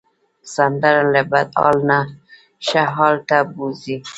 سندره له بد حال نه ښه حال ته بوځي